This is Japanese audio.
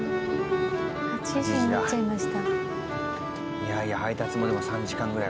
いやいや配達もでも３時間ぐらい。